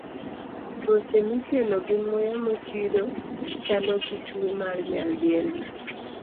Tuoche mikelo gi muya mochido chalo gi tuwo mar nyaldiema.